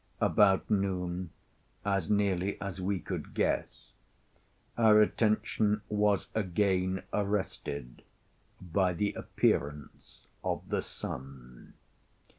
About noon, as nearly as we could guess, our attention was again arrested by the appearance of the sun.